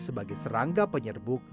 sebagai serangga penyerbuk